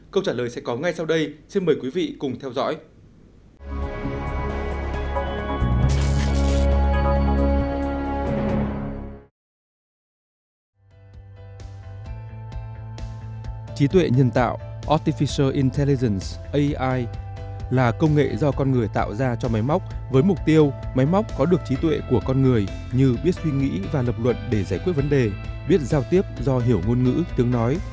câu trả lời sẽ có ngay sau đây xin mời quý vị cùng theo dõi